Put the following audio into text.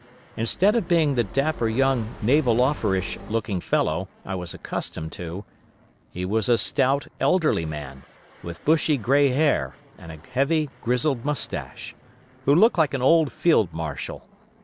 Instead of being the dapper young naval officerish looking fellow I was accustomed to, he was a stout, elderly man, with bushy, gray hair and a heavy, grizzled mustache, who looked like an old field marshal.